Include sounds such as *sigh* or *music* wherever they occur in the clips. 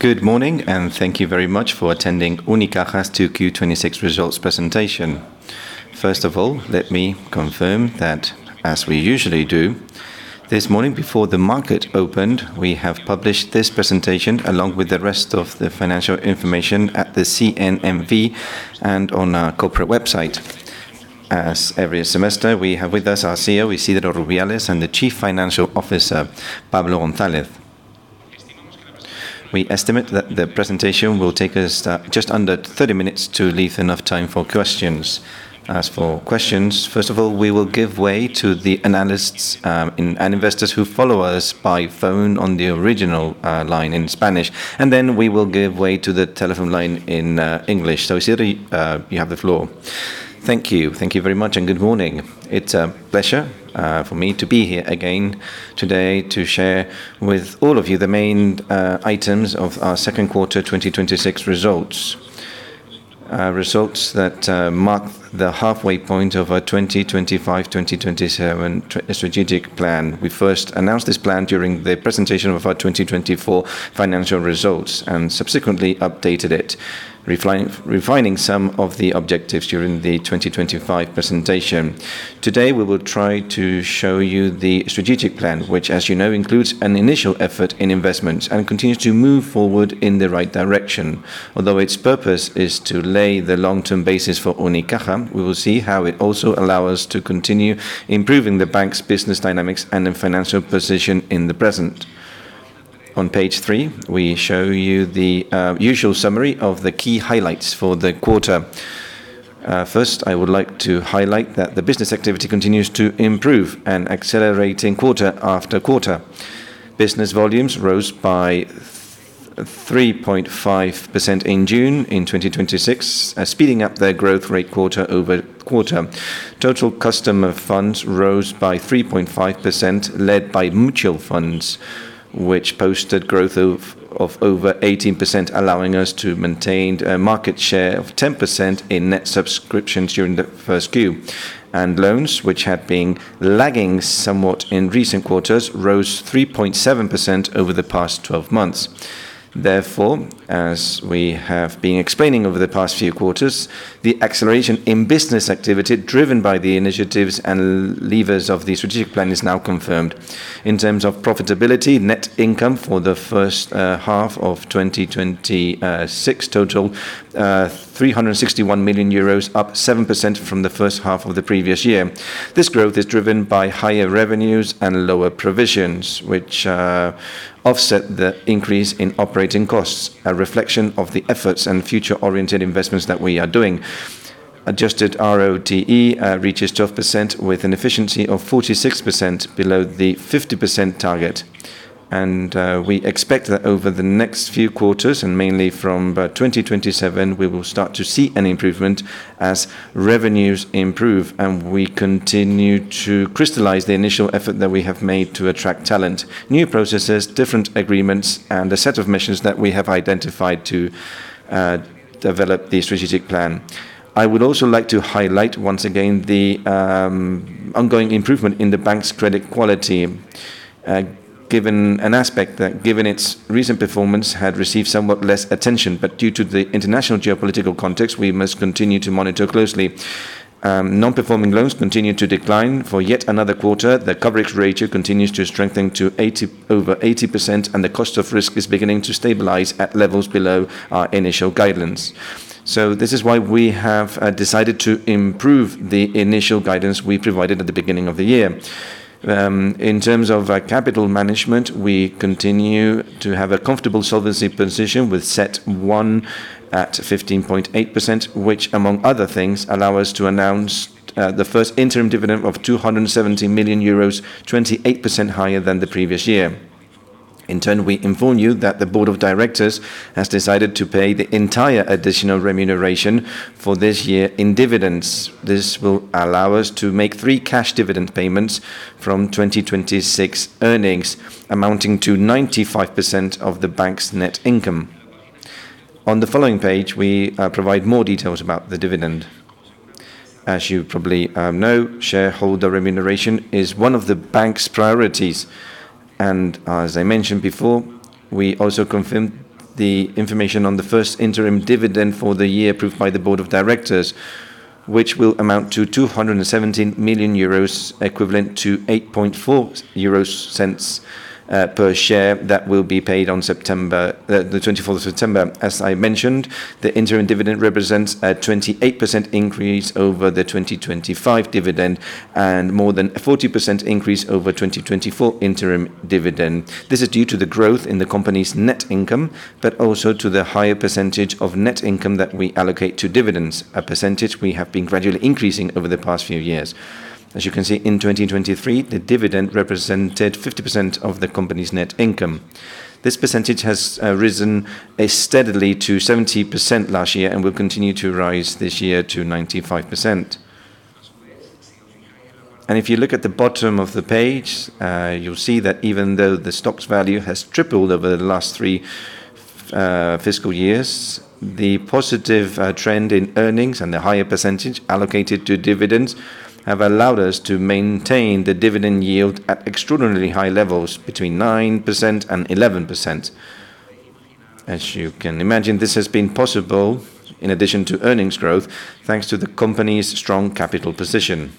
Good morning, and thank you very much for attending Unicaja's Q2 2026 results presentation. First of all, let me confirm that as we usually do, this morning before the market opened, we have published this presentation along with the rest of the financial information at the CNMV and on our corporate website. As every semester, we have with us our CEO, Isidro Rubiales, and the Chief Financial Officer, Pablo González. We estimate that the presentation will take us just under 30 minutes to leave enough time for questions. As for questions, first of all, we will give way to the analysts and investors who follow us by phone on the original line in Spanish, and then we will give way to the telephone line in English. Isidro, you have the floor. Thank you. Thank you very much, and good morning. It's a pleasure for me to be here again today to share with all of you the main items of our Q2 2026 results. Results that mark the halfway point of our 2025/2027 strategic plan. We first announced this plan during the presentation of our 2024 financial results and subsequently updated it, refining some of the objectives during the 2025 presentation. Today, we will try to show you the strategic plan, which as you know includes an initial effort in investment and continues to move forward in the right direction. Although its purpose is to lay the long-term basis for Unicaja, we will see how it also allow us to continue improving the bank's business dynamics and in financial position in the present. On page three, we show you the usual summary of the key highlights for the quarter. First, I would like to highlight that the business activity continues to improve and accelerating quarter-after-quarter. Business volumes rose by 3.5% in June 2026, speeding up their growth rate quarter-over-quarter. Total customer funds rose by 3.5%, led by mutual funds, which posted growth of over 18%, allowing us to maintain a market share of 10% in net subscriptions during the Q1. And loans, which had been lagging somewhat in recent quarters, rose 3.7% over the past 12 months. Therefore, as we have been explaining over the past few quarters, the acceleration in business activity driven by the initiatives and levers of the strategic plan is now confirmed. In terms of profitability, net income for the H1 of 2026 totaled 361 million euros, up 7% from the H1 of the previous year. This growth is driven by higher revenues and lower provisions, which offset the increase in operating costs, a reflection of the efforts and future-oriented investments that we are doing. Adjusted ROTE reaches 12% with an efficiency of 46% below the 50% target. And we expect that over the next few quarters, and mainly from about 2027, we will start to see an improvement as revenues improve and we continue to crystallize the initial effort that we have made to attract talent, new processes, different agreements, and the set of missions that we have identified to develop the strategic plan. I would also like to highlight once again the ongoing improvement in the bank's credit quality. Given an aspect that, given its recent performance, had received somewhat less attention, but due to the international geopolitical context, we must continue to monitor closely. Non-performing loans continue to decline for yet another quarter. The coverage ratio continues to strengthen to over 80%, and the cost of risk is beginning to stabilize at levels below our initial guidelines. This is why we have decided to improve the initial guidance we provided at the beginning of the year. In terms of capital management, we continue to have a comfortable solvency position with CET1 at 15.8%, which among other things, allow us to announce the first interim dividend of 270 million euros, 28% higher than the previous year. In turn, we inform you that the board of directors has decided to pay the entire additional remuneration for this year in dividends. This will allow us to make three cash dividend payments from 2026 earnings, amounting to 95% of the bank's net income. On the following page, we provide more details about the dividend. As you probably know, shareholder remuneration is one of the bank's priorities, as I mentioned before, we also confirmed the information on the first interim dividend for the year approved by the board of directors, which will amount to 217 million euros, equivalent to 0.084 per share that will be paid on the 24th of September. As I mentioned, the interim dividend represents a 28% increase over the 2025 dividend and more than a 40% increase over 2024 interim dividend. This is due to the growth in the company's net income, also to the higher percentage of net income that we allocate to dividends, a percentage we have been gradually increasing over the past few years. As you can see, in 2023, the dividend represented 50% of the company's net income. This percentage has risen steadily to 70% last year and will continue to rise this year to 95%. If you look at the bottom of the page, you'll see that even though the stock's value has tripled over the last three fiscal years, the positive trend in earnings and the higher percentage allocated to dividends have allowed us to maintain the dividend yield at extraordinarily high levels, between 9%-11%. As you can imagine, this has been possible, in addition to earnings growth, thanks to the company's strong capital position.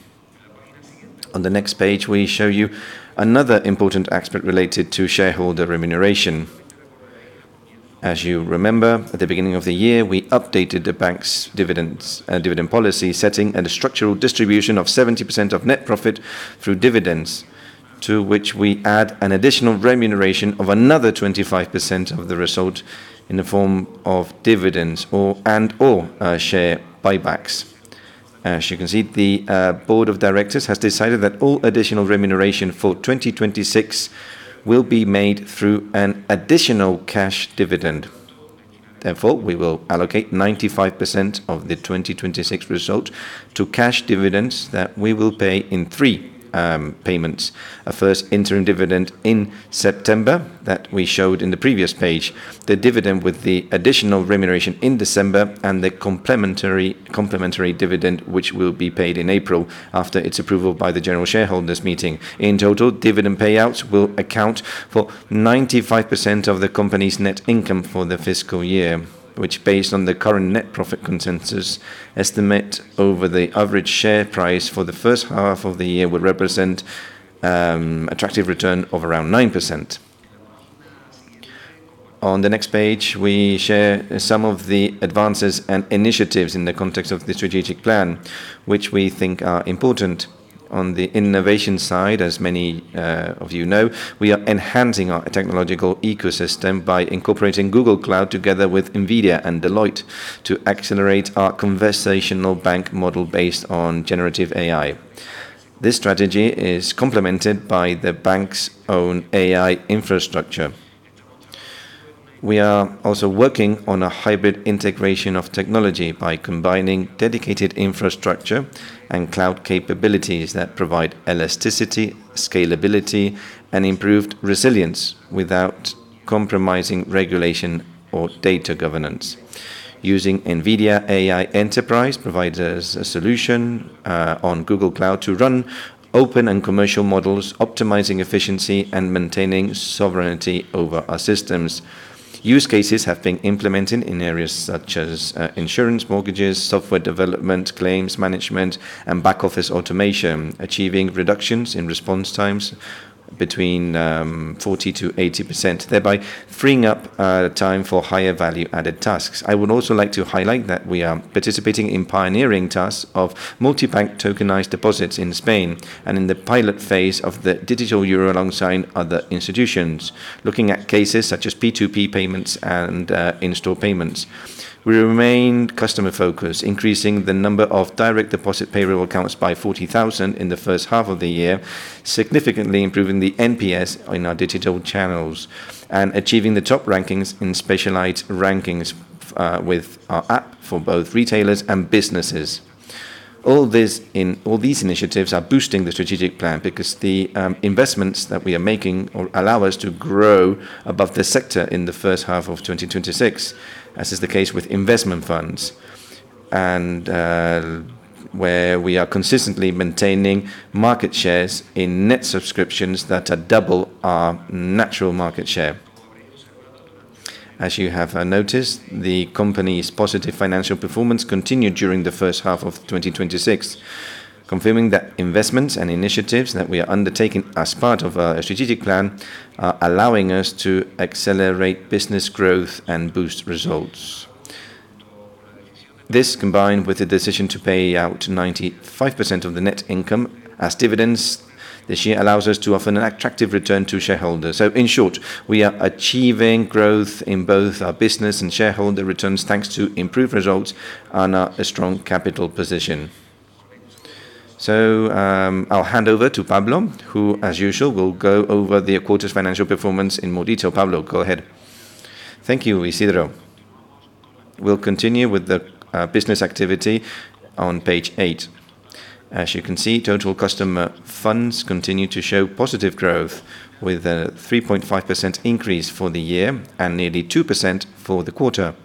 On the next page, we show you another important aspect related to shareholder remuneration. As you remember, at the beginning of the year, we updated the bank's dividend policy, setting a structural distribution of 70% of net profit through dividends, to which we add an additional remuneration of another 25% of the result in the form of dividends and/or share buybacks. As you can see, the board of directors has decided that all additional remuneration for 2026 will be made through an additional cash dividend. Therefore, we will allocate 95% of the 2026 result to cash dividends that we will pay in three payments. A first interim dividend in September that we showed on the previous page, the dividend with the additional remuneration in December, and the complementary dividend, which will be paid in April after its approval by the general shareholders' meeting. In total, dividend payouts will account for 95% of the company's net income for the fiscal year, which, based on the current net profit consensus estimate over the average share price for the H1 of the year, would represent an attractive return of around 9%. On the next page, we share some of the advances and initiatives in the context of the strategic plan, which we think are important. On the innovation side, as many of you know, we are enhancing our technological ecosystem by incorporating Google Cloud together with NVIDIA and Deloitte to accelerate our conversational bank model based on generative AI. This strategy is complemented by the bank's own AI infrastructure. We are also working on a hybrid integration of technology by combining dedicated infrastructure and cloud capabilities that provide elasticity, scalability, and improved resilience without compromising regulation or data governance. Using NVIDIA AI Enterprise provides us a solution on Google Cloud to run open and commercial models, optimizing efficiency, and maintaining sovereignty over our systems. Use cases have been implemented in areas such as insurance, mortgages, software development, claims management, and back-office automation, achieving reductions in response times between 40%-80%, thereby freeing up time for higher value-added tasks. I would also like to highlight that we are participating in pioneering tasks of multi-bank tokenized deposits in Spain and in the pilot phase of the digital euro alongside other institutions. Looking at cases such as P2P payments and in-store payments. We remain customer-focused, increasing the number of direct deposit payroll accounts by 40,000 in the H1 of the year, significantly improving the NPS in our digital channels and achieving the top rankings in specialized rankings with our app for both retailers and businesses. All these initiatives are boosting the strategic plan because the investments that we are making allow us to grow above the sector in the H1 of 2026, as is the case with investment funds, and where we are consistently maintaining market shares in net subscriptions that are double our natural market share. As you have noticed, the company's positive financial performance continued during the H1 of 2026, confirming that investments and initiatives that we are undertaking as part of our strategic plan are allowing us to accelerate business growth and boost results. This, combined with the decision to pay out 95% of the net income as dividends this year, allows us to offer an attractive return to shareholders. In short, we are achieving growth in both our business and shareholder returns thanks to improved results and a strong capital position. I'll hand over to Pablo, who, as usual, will go over the quarter's financial performance in more detail. Pablo, go ahead. Thank you, Isidro. We'll continue with the business activity on page eight. As you can see, total customer funds continue to show positive growth, with a 3.5% increase for the year and nearly 2% for the quarter.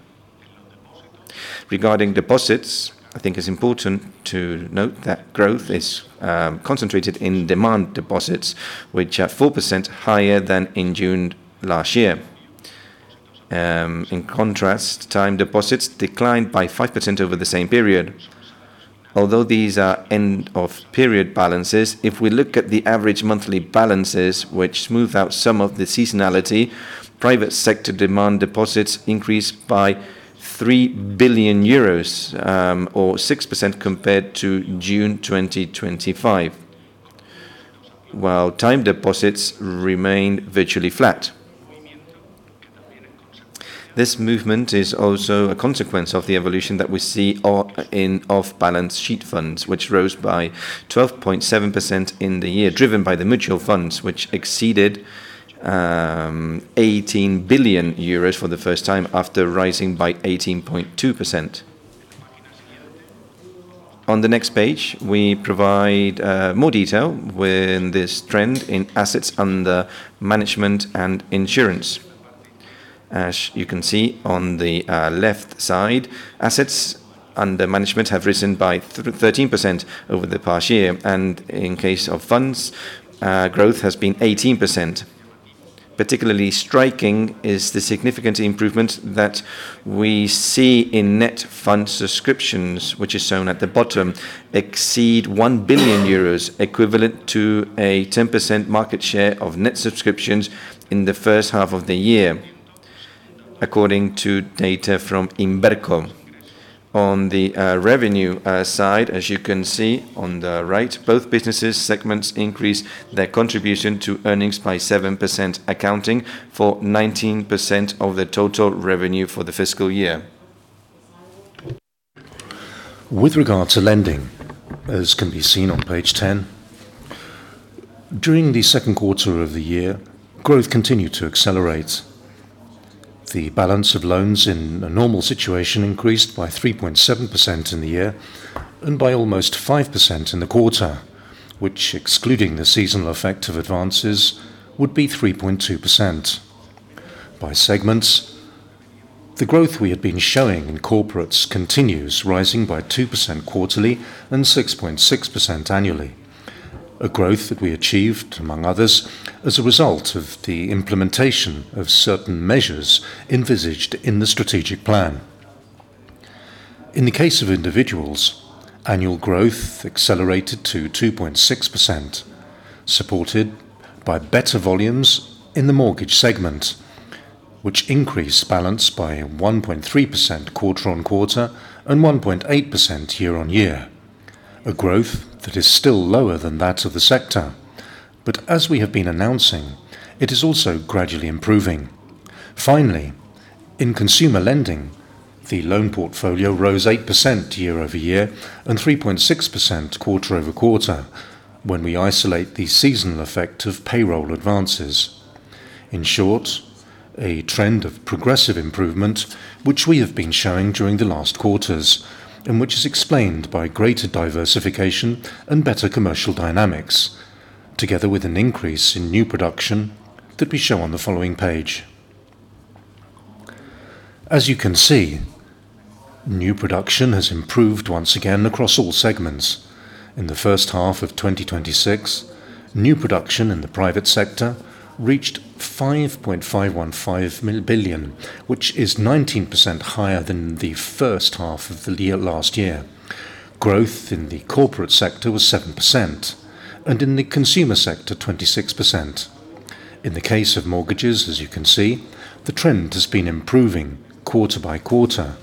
Regarding deposits, I think it's important to note that growth is concentrated in demand deposits, which are 4% higher than in June last year. In contrast, time deposits declined by 5% over the same period. Although these are end-of-period balances, if we look at the average monthly balances, which move out some of the seasonality, private sector demand deposits increased by 3 billion euros, or 6%, compared to June 2025. While time deposits remain virtually flat. This movement is also a consequence of the evolution that we see in off-balance sheet funds, which rose by 12.7% in the year, driven by the mutual funds, which exceeded 18 billion euros for the first time after rising by 18.2%. On the next page, we provide more detail with this trend in assets under management and insurance. As you can see on the left side, assets under management have risen by 13% over the past year, and in case of funds, growth has been 18%. Particularly striking is the significant improvement that we see in net fund subscriptions, which is shown at the bottom, exceed 1 billion euros, equivalent to a 10% market share of net subscriptions in the H1 of the year, according to data from Inverco. On the revenue side, as you can see on the right, both businesses segments increased their contribution to earnings by 7%, accounting for 19% of the total revenue for the fiscal year. With regard to lending, as can be seen on page 10, during theQ2 of the year, growth continued to accelerate. The balance of loans in a normal situation increased by 3.7% in the year and by almost 5% in the quarter, which excluding the seasonal effect of advances, would be 3.2%. By segments, the growth we had been showing in corporates continues, rising by 2% quarterly and 6.6% annually. A growth that we achieved, among others, as a result of the implementation of certain measures envisaged in the strategic plan. In the case of individuals, annual growth accelerated to 2.6%, supported by better volumes in the mortgage segment, which increased balance by 1.3% quarter-on-quarter and 1.8% year-on-year. A growth that is still lower than that of the sector. As we have been announcing, it is also gradually improving. Finally, in consumer lending, the loan portfolio rose 8% year-over-year and 3.6% quarter-over-quarter when we isolate the seasonal effect of payroll advances. In short, a trend of progressive improvement, which we have been showing during the last quarters, and which is explained by greater diversification and better commercial dynamics, together with an increase in new production that we show on the following page. As you can see, new production has improved once again across all segments. In the H1 of 2026, new production in the private sector reached 5.515 billion, which is 19% higher than the H1 of last year. Growth in the corporate sector was 7%, and in the consumer sector, 26%. In the case of mortgages, as you can see, the trend has been improving quarter-by-quarter,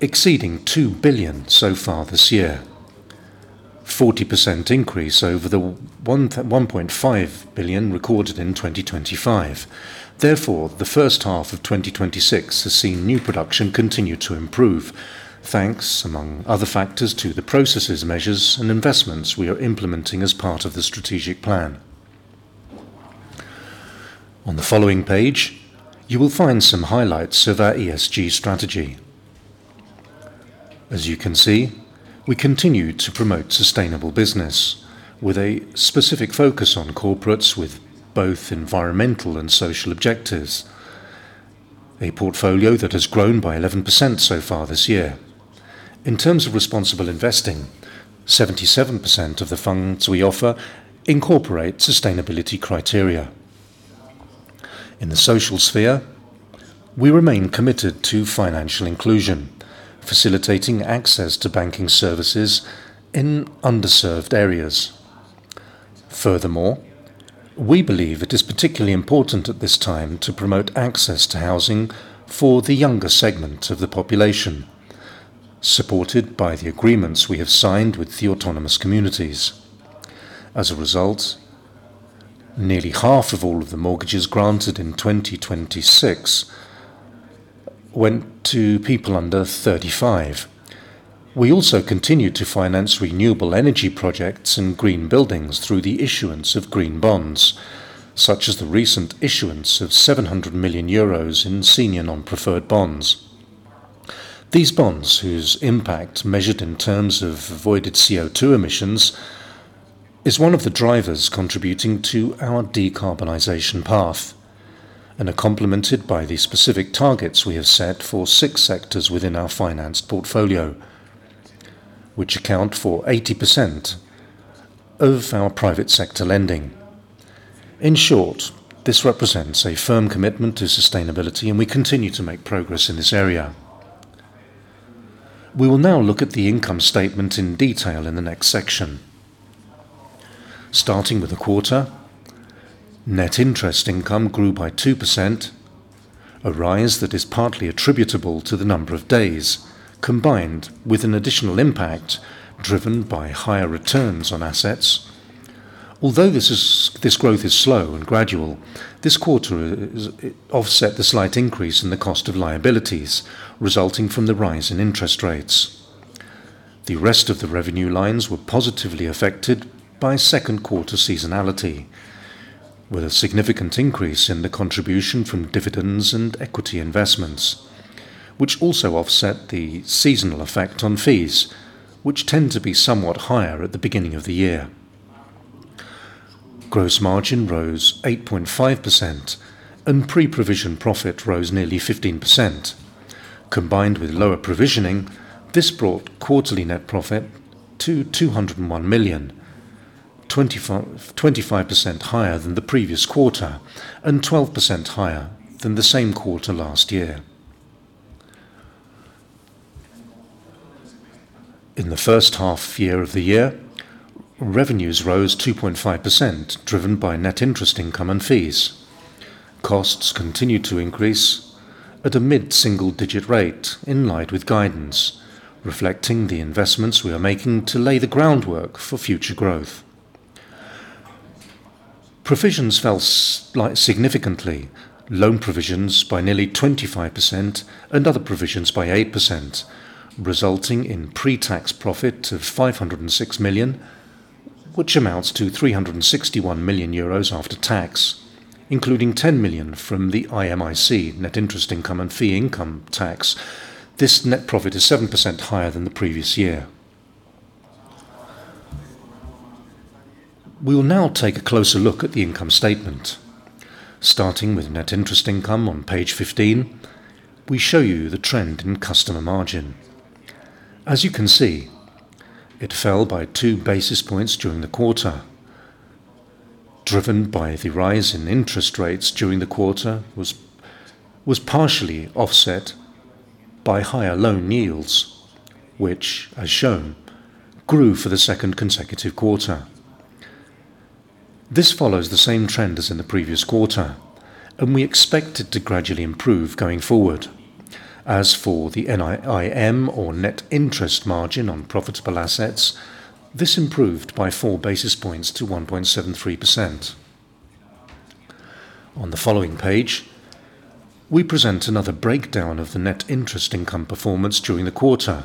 exceeding 2 billion so far this year, a 40% increase over the 1.5 billion recorded in 2025. The H1 of 2026 has seen new production continue to improve. Thanks, among other factors, to the processes, measures, and investments we are implementing as part of the strategic plan. On the following page, you will find some highlights of our ESG strategy. As you can see, we continue to promote sustainable business with a specific focus on corporates with both environmental and social objectives, a portfolio that has grown by 11% so far this year. In terms of responsible investing, 77% of the funds we offer incorporate sustainability criteria. In the social sphere, we remain committed to financial inclusion, facilitating access to banking services in underserved areas. Furthermore, we believe it is particularly important at this time to promote access to housing for the younger segment of the population, supported by the agreements we have signed with the autonomous communities. As a result, nearly half of all of the mortgages granted in 2026 went to people under 35. We also continued to finance renewable energy projects and green buildings through the issuance of green bonds, such as the recent issuance of 700 million euros in senior non-preferred bonds. These bonds, whose impact measured in terms of avoided CO2 emissions, is one of the drivers contributing to our decarbonization path and are complemented by the specific targets we have set for sectors within our finance portfolio, which account for 80% of our private sector lending. This represents a firm commitment to sustainability, and we continue to make progress in this area. We will now look at the income statement in detail in the next section. Starting with the quarter, net interest income grew by 2%, a rise that is partly attributable to the number of days, combined with an additional impact driven by higher returns on assets. Although this growth is slow and gradual, this quarter offset the slight increase in the cost of liabilities resulting from the rise in interest rates. The rest of the revenue lines were positively affected by Q2 seasonality, with a significant increase in the contribution from dividends and equity investments, which also offset the seasonal effect on fees, which tend to be somewhat higher at the beginning of the year. Gross margin rose 8.5%, and pre-provision profit rose nearly 15%. Combined with lower provisioning, this brought quarterly net profit to 201 million, 25% higher than the previous quarter and 12% higher than the same quarter last year. In the H1 year of the year, revenues rose 2.5%, driven by net interest income and fees. Costs continued to increase at a mid-single-digit rate in line with guidance, reflecting the investments we are making to lay the groundwork for future growth. Provisions fell significantly, loan provisions by nearly 25% and other provisions by 8%, resulting in pre-tax profit of 506 million, which amounts to 361 million euros after tax, including 10 million from the IMIC net interest income and fee income tax. This net profit is 7% higher than the previous year. We will now take a closer look at the income statement. Starting with net interest income on page 15, we show you the trend in customer margin. As you can see, it fell by two basis points during the quarter, driven by the rise in interest rates during the quarter was partially offset by higher loan yields, which as shown, grew for the second consecutive quarter. This follows the same trend as in the previous quarter, and we expect it to gradually improve going forward. As for the NIM or net interest margin on profitable assets, this improved by four basis points to 1.73%. On the following page, we present another breakdown of the net interest income performance during the quarter,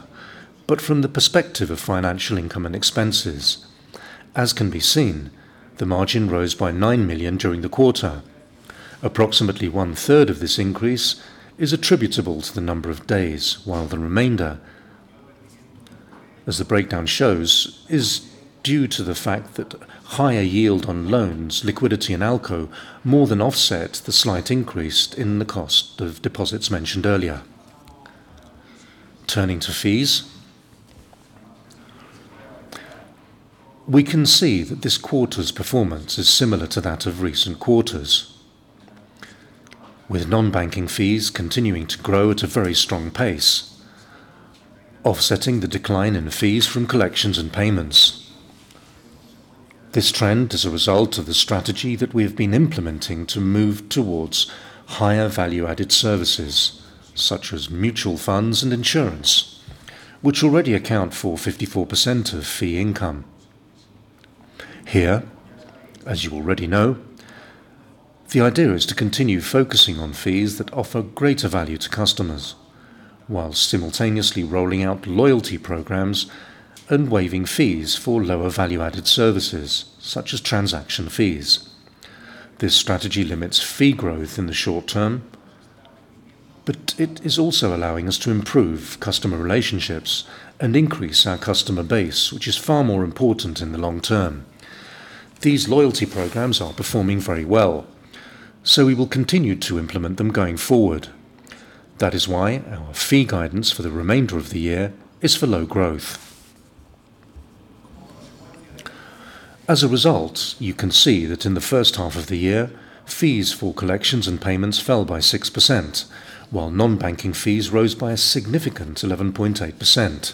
but from the perspective of financial income and expenses. As can be seen, the margin rose by 9 million during the quarter. Approximately one-third of this increase is attributable to the number of days, while the remainder, as the breakdown shows, is due to the fact that higher yield on loans, liquidity, and ALCO more than offset the slight increase in the cost of deposits mentioned earlier. Turning to fees. We can see that this quarter's performance is similar to that of recent quarters, with non-banking fees continuing to grow at a very strong pace, offsetting the decline in fees from collections and payments. This trend is a result of the strategy that we have been implementing to move towards higher value-added services such as mutual funds and insurance, which already account for 54% of fee income. Here, as you already know, the idea is to continue focusing on fees that offer greater value to customers, while simultaneously rolling out loyalty programs and waiving fees for lower value-added services such as transaction fees. This strategy limits fee growth in the short term, but it is also allowing us to improve customer relationships and increase our customer base, which is far more important in the long term. These loyalty programs are performing very well, we will continue to implement them going forward. That is why our fee guidance for the remainder of the year is for low growth. As a result, you can see that in the H1 of the year, fees for collections and payments fell by 6%, while non-banking fees rose by a significant 11.8%,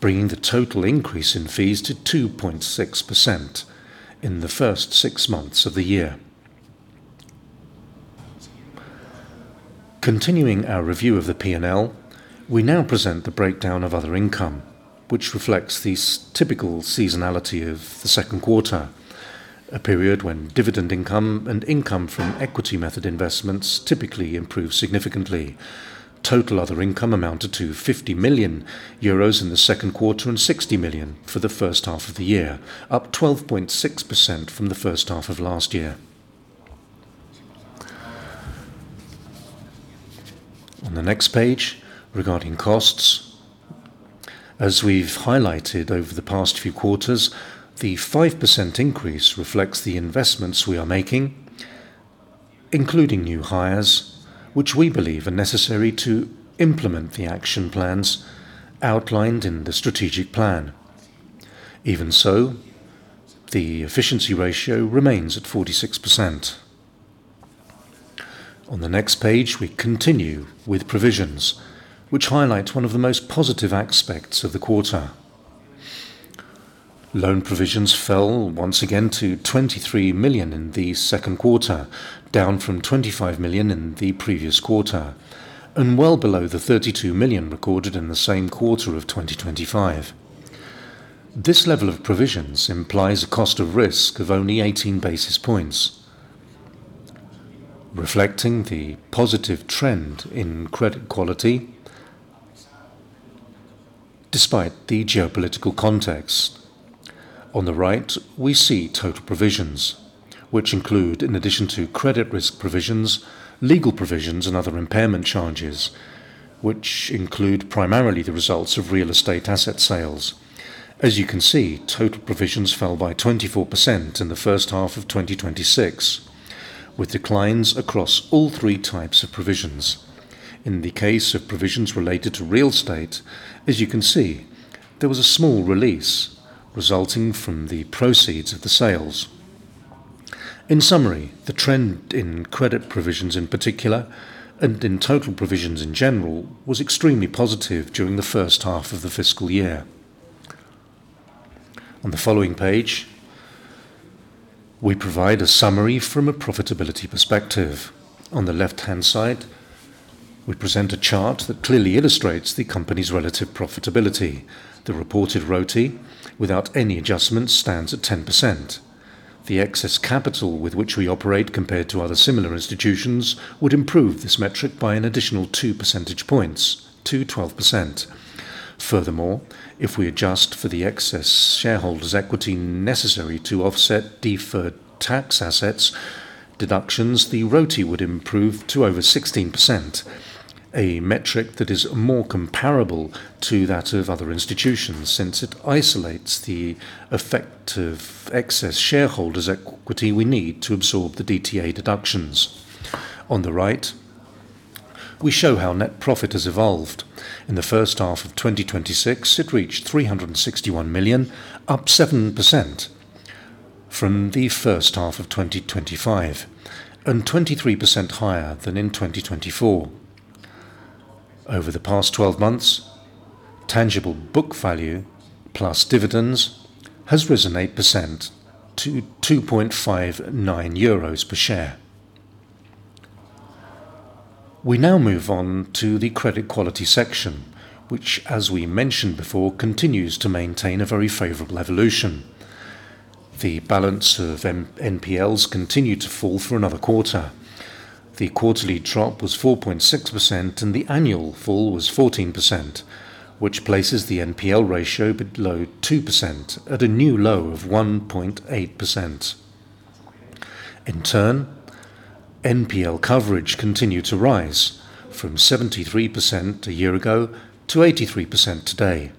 bringing the total increase in fees to 2.6% in the first six months of the year. Continuing our review of the P&L, we now present the breakdown of other income, which reflects the typical seasonality of the Q2, a period when dividend income and income from equity method investments typically improve significantly. Total other income amounted to 50 million euros in the Q2 and 60 million for the H1 of the year, up 12.6% from the H1 of last year. On the next page, regarding costs. As we've highlighted over the past few quarters, the 5% increase reflects the investments we are making, including new hires, which we believe are necessary to implement the action plans outlined in the strategic plan. Even so, the efficiency ratio remains at 46%. On the next page, we continue with provisions, which highlight one of the most positive aspects of the quarter. Loan provisions fell once again to 23 million in the Q2, down from 25 million in the previous quarter, and well below the 32 million recorded in the same quarter of 2025. This level of provisions implies a cost of risk of only 18 basis points, reflecting the positive trend in credit quality despite the geopolitical context. On the right, we see total provisions, which include, in addition to credit risk provisions, legal provisions, and other impairment charges, which include primarily the results of real estate asset sales. As you can see, total provisions fell by 24% in the H1 of 2026, with declines across all three types of provisions. In the case of provisions related to real estate, as you can see, there was a small release resulting from the proceeds of the sales. In summary, the trend in credit provisions in particular, and in total provisions in general, was extremely positive during the H1 of the fiscal year. On the following page, we provide a summary from a profitability perspective. On the left-hand side, we present a chart that clearly illustrates the company's relative profitability. The reported ROTE, without any adjustments, stands at 10%. The excess capital with which we operate compared to other similar institutions would improve this metric by an additional two percentage points to 12%. Furthermore, if we adjust for the excess shareholders' equity necessary to offset deferred tax assets deductions, the ROTE would improve to over 16%, a metric that is more comparable to that of other institutions since it isolates the effect of excess shareholders' equity we need to absorb the DTA deductions. On the right, we show how net profit has evolved. In the H1 of 2026, it reached 361 million, up 7% from the H1 of 2025, and 23% higher than in 2024. Over the past 12 months, tangible book value plus dividends has risen 8% to 2.59 euros per share. We now move on to the credit quality section, which, as we mentioned before, continues to maintain a very favorable evolution. The balance of NPLs continued to fall for another quarter. The quarterly drop was 4.6% and the annual fall was 14%, which places the NPL ratio below 2% at a new low of 1.8%. In turn, NPL coverage continued to rise from 73% a year ago to 83% today.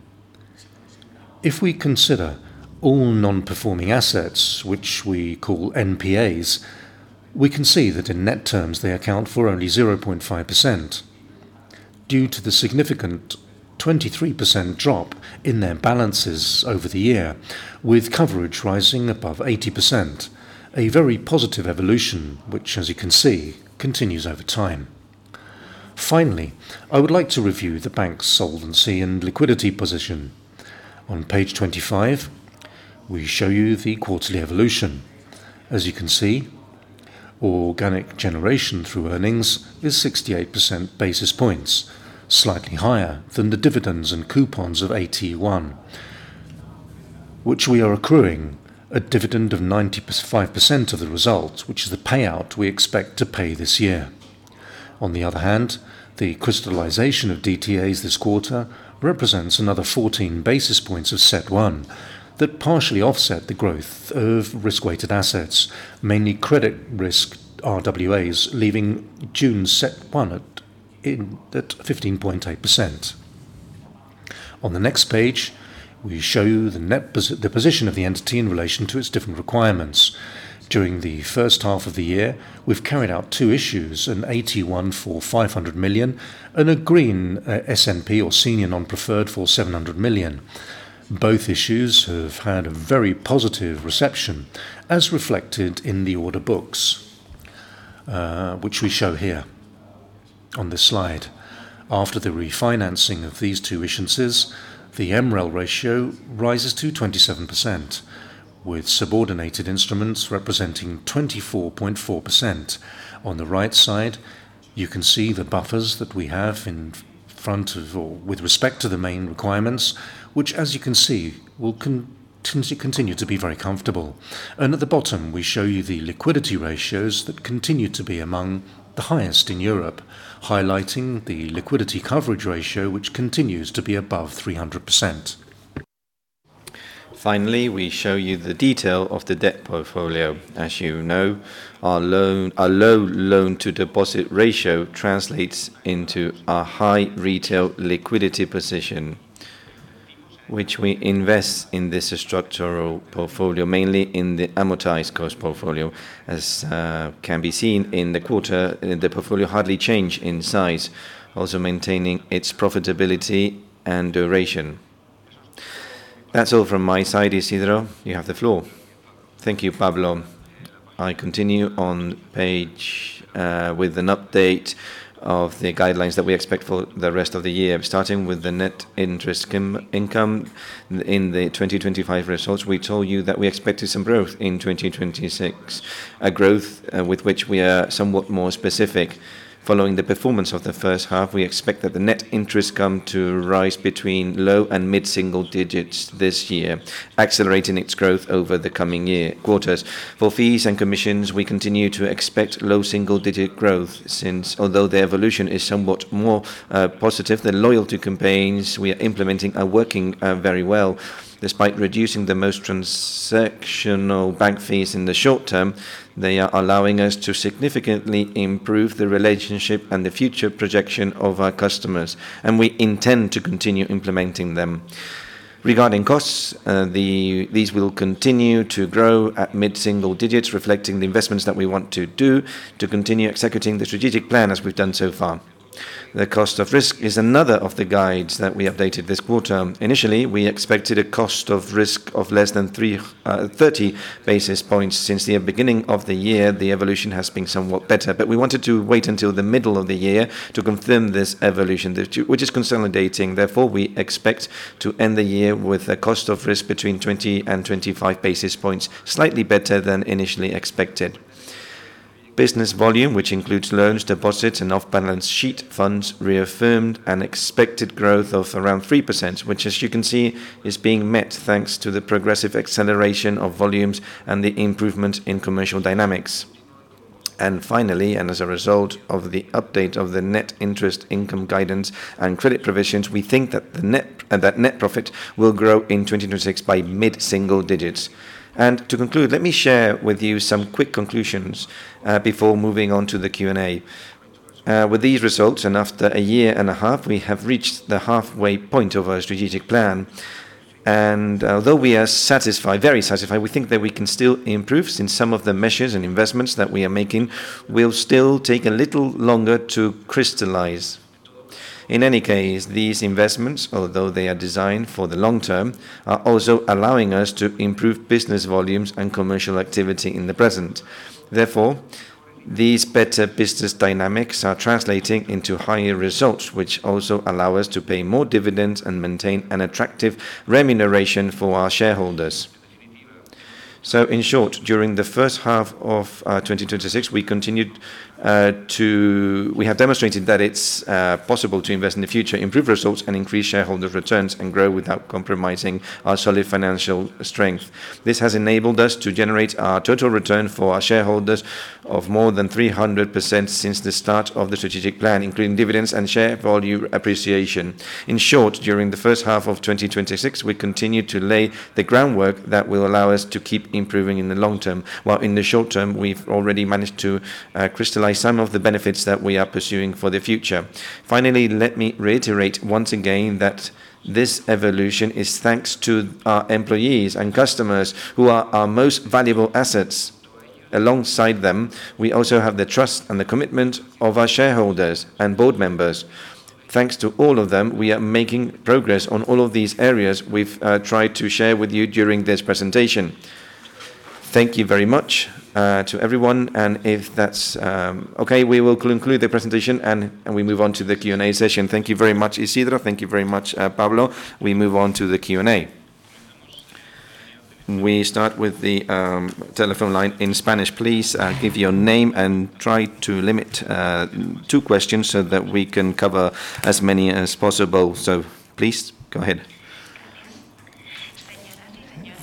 If we consider all non-performing assets, which we call NPAs, we can see that in net terms, they account for only 0.5% due to the significant 23% drop in their balances over the year, with coverage rising above 80%, a very positive evolution, which as you can see, continues over time. Finally, I would like to review the bank's solvency and liquidity position. On page 25, we show you the quarterly evolution. As you can see, organic generation through earnings is 68 basis points, slightly higher than the dividends and coupons of AT1, which we are accruing a dividend of 95% of the result, which is the payout we expect to pay this year. On the other hand, the crystallization of DTAs this quarter represents another 14 basis points of CET1 that partially offset the growth of risk-weighted assets, mainly credit risk RWAs, leaving June CET1 at 15.8%. On the next page, we show you the position of the entity in relation to its different requirements. During the H1 of the year, we've carried out two issues, an AT1 for 500 million and a green SNP or senior non-preferred for 700 million. Both issues have had a very positive reception, as reflected in the order books, which we show here on this slide. After the refinancing of these two issuances, the MREL ratio rises to 27%, with subordinated instruments representing 24.4%. On the right side, you can see the buffers that we have with respect to the main requirements, which as you can see, will continue to be very comfortable. At the bottom, we show you the liquidity ratios that continue to be among the highest in Europe, highlighting the liquidity coverage ratio, which continues to be above 300%. Finally, we show you the detail of the debt portfolio. As you know, our low loan-to-deposit ratio translates into a high retail liquidity position, which we invest in this structural portfolio, mainly in the amortized cost portfolio. As can be seen in the quarter, the portfolio hardly change in size, also maintaining its profitability and duration. That's all from my side. Isidro, you have the floor. Thank you, Pablo. I continue on page with an update of the guidelines that we expect for the rest of the year, starting with the net interest income. In the 2025 results, we told you that we expected some growth in 2026, a growth with which we are somewhat more specific. Following the performance of the H1, we expect that the net interest income to rise between low and mid-single digits this year, accelerating its growth over the coming year quarters. For fees and commissions, we continue to expect low single-digit growth since although the evolution is somewhat more positive, the loyalty campaigns we are implementing are working very well. Despite reducing the most transactional bank fees in the short term, they are allowing us to significantly improve the relationship and the future projection of our customers, and we intend to continue implementing them. Regarding costs, these will continue to grow at mid-single digits, reflecting the investments that we want to do to continue executing the strategic plan as we've done so far. The cost of risk is another of the guides that we updated this quarter. Initially, we expected a cost of risk of less than 30 basis points. Since the beginning of the year, the evolution has been somewhat better, but we wanted to wait until the middle of the year to confirm this evolution, which is consolidating. Therefore, we expect to end the year with a cost of risk between 20 and 25 basis points, slightly better than initially expected. Business volume, which includes loans, deposits, and off-balance sheet funds, reaffirmed an expected growth of around 3%, which, as you can see, is being met thanks to the progressive acceleration of volumes and the improvement in commercial dynamics. Finally, as a result of the update of the net interest income guidance and credit provisions, we think that net profit will grow in 2026 by mid-single digits. To conclude, let me share with you some quick conclusions before moving on to the Q&A. With these results, after a year and a half, we have reached the halfway point of our strategic plan. Although we are very satisfied, we think that we can still improve, since some of the measures and investments that we are making will still take a little longer to crystallize. In any case, these investments, although they are designed for the long term, are also allowing us to improve business volumes and commercial activity in the present. Therefore, these better business dynamics are translating into higher results, which also allow us to pay more dividends and maintain an attractive remuneration for our shareholders. In short, during the H1 of 2026, we have demonstrated that it's possible to invest in the future, improve results, and increase shareholder returns, and grow without compromising our solid financial strength. This has enabled us to generate a total return for our shareholders of more than 300% since the start of the strategic plan, including dividends and share volume appreciation. In short, during the H1 of 2026, we continued to lay the groundwork that will allow us to keep improving in the long term. While in the short term, we've already managed to crystallize some of the benefits that we are pursuing for the future. Finally, let me reiterate once again that this evolution is thanks to our employees and customers, who are our most valuable assets. Alongside them, we also have the trust and the commitment of our shareholders and board members. Thanks to all of them, we are making progress on all of these areas we've tried to share with you during this presentation. Thank you very much to everyone, if that's okay, we will conclude the presentation and we move on to the Q&A session. Thank you very much, Isidro. Thank you very much, Pablo. We move on to the Q&A. We start with the telephone line in Spanish. Please give your name and try to limit to two questions so that we can cover as many as possible. Please, go ahead.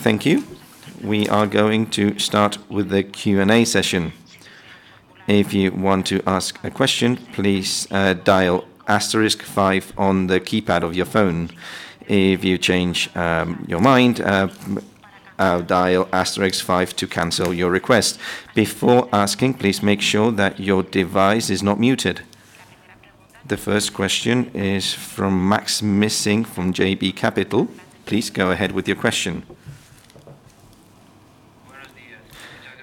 Thank you. We are going to start with the Q&A session. If you want to ask a question, please dial *inaudible* five on the keypad of your phone. If you change your mind, dial *inaudible* five to cancel your request. Before asking, please make sure that your device is not muted. The first question is from Maksym Mishyn from JB Capital. Please go ahead with your question.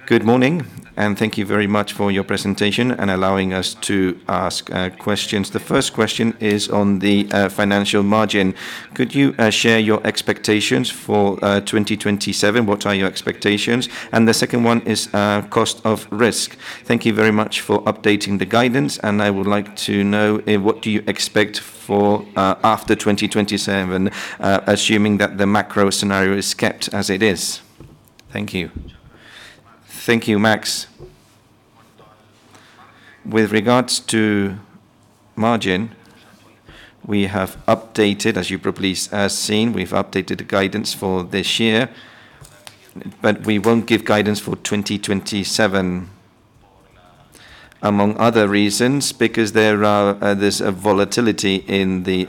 Good morning, thank you very much for your presentation and allowing us to ask questions. The first question is on the financial margin. Could you share your expectations for 2027? What are your expectations? The second one is cost of risk. Thank you very much for updating the guidance, I would like to know what do you expect for after 2027, assuming that the macro scenario is kept as it is? Thank you. Thank you, Maks. With regards to margin, as you've probably seen, we've updated the guidance for this year, we won't give guidance for 2027. Among other reasons, because there's a volatility in the